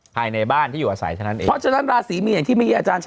หนังใจไหม